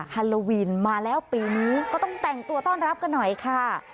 ฮาโลวินมาแล้วปีนี้ก็ต้องแต่งตัวต้อนรับกันหน่อยค่ะ